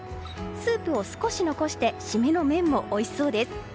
スープを少し残して締めの麺もおいしそうです。